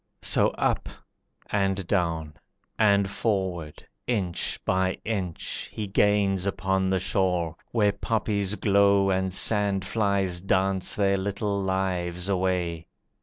So up, and down, and forward, inch by inch, He gains upon the shore, where poppies glow And sandflies dance their little lives away.